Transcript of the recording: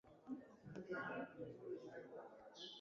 Txikitatik adierazi zuen musikan zuen interesa.